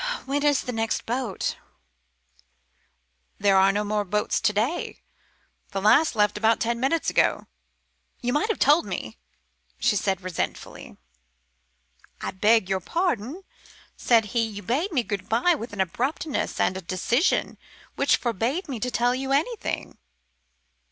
"When is the next boat?" "There are no more boats to day. The last left about ten minutes ago." "You might have told me," she said resentfully. "I beg your pardon," said he. "You bade me good bye with an abruptness and a decision which forbade me to tell you anything."